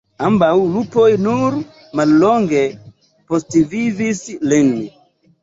Ambaŭ lupoj nur mallonge postvivis lin.